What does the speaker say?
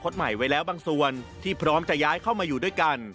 ส่วนที่พร้อมจะย้ายเข้ามาอยู่ด้วยกัน